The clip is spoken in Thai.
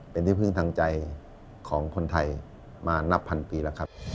เป็นที่พึ่งทางใจของคนไทยมานับพันปีแล้วครับ